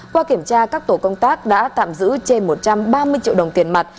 qua kiểm tra các tổ công tác đã tạm giữ trên một trăm ba mươi triệu đồng tiền mặt